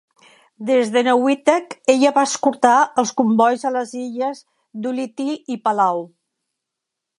Des d'Enewetak, ella va escortar els combois a les illes d'Ulithi i Palau.